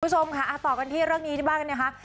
คุณผู้ชมค่ะต่อกันที่เรื่องนี้บ้างนะคะ